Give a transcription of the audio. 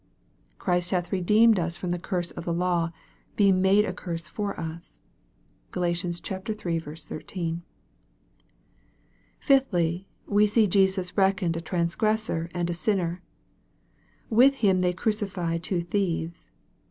" Christ hath redeemed us from the curse ot the law, being made a curse for us." (Gal. iii. 13.) Fifthly, we see Jesus reckoned a transgressor and a sinner. " With him they crucify two thieves."